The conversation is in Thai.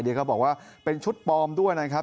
เดี๋ยวก็บอกว่าเป็นชุดปลอมด้วยนะครับ